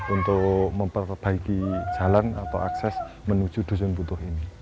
untuk memperbaiki jalan atau akses menuju dusun butuh ini